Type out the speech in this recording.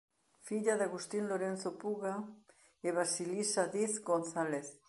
Filla de Agustín Lorenzo Puga e Basilisa Diz González.